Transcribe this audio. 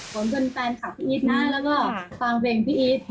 ผมเป็นแฟนคลับพี่อีทนะแล้วก็ฟังเพลงพี่อีท